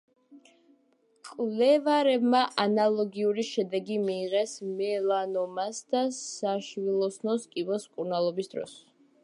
მკვლევარებმა ანალოგიური შედეგი მიიღეს მელანომას და საშვილოსნოს კიბოს მკურნალობის დროს.